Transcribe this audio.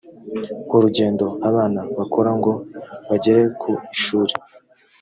urugendo abana bakora ngo bagere ku ishuri